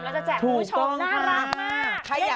จะแจกคุณผู้ชมน่ารักมาก